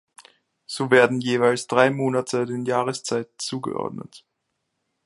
So werden jeweils drei Monate den Jahreszeiten zugeordnet.